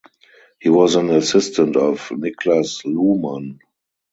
He was an assistant of Niklas Luhmann.